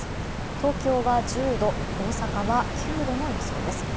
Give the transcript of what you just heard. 東京は１０度大阪は９度の予想です。